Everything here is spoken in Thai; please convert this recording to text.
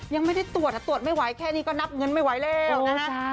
ยังไม่ได้ตรวจตรวจไม่ไหวแค่นี้ก็นับเงินไม่ไหวแล้วนะฮะ